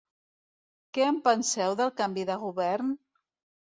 Què en penseu del canvi de govern?